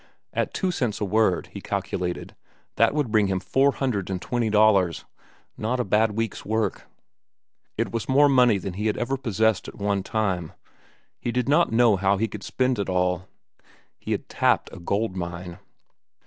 At two cents a word, he calculated, that would bring him four hundred and twenty dollars. Not a bad week's work. It was more money than he had ever possessed at one time. He did not know how he could spend it all. He had tapped a gold mine.